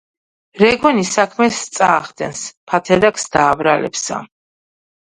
რეგვენი საქმეს წაახდენს, ფათერაკს დააბრალებსა